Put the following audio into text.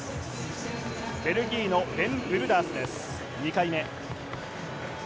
ベルギーのブルダースです、２回目。